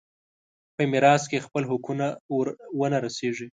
په میراث کې خپل حقونه ور ونه رسېږي.